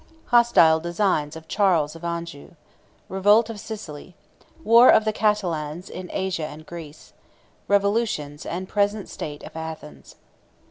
—Hostile Designs Of Charles Of Anjou.—Revolt Of Sicily.—War Of The Catalans In Asia And Greece.—Revolutions And Present State Of Athens.